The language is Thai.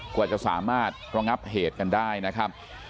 กว่าจะสามารถระงับเหตุกันได้นะครับ